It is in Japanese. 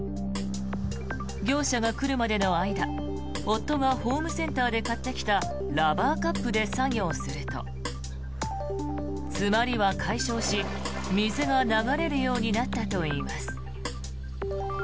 業者が来るまでの間夫がホームセンターで買ってきたラバーカップで作業すると、詰まりは解消し水が流れるようになったといいます。